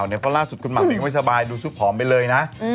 เพราะล่าสุดคุณหมากเองก็ไม่สบายดูซุปผอมไปเลยนะ